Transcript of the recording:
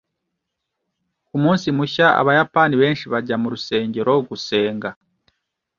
Ku munsi mushya, abayapani benshi bajya mu rusengero gusenga.